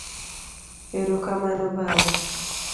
Ero kamano Baba.